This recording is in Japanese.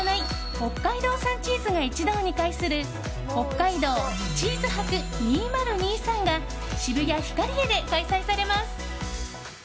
北海道産チーズが一堂に会する北海道地チーズ博２０２３が渋谷ヒカリエで開催されます。